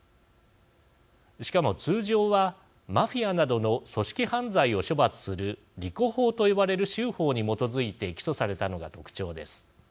しかも通常はマフィアなどの組織犯罪を処罰するＲＩＣＯ法と呼ばれる州法に基づいて起訴されたのが特徴です。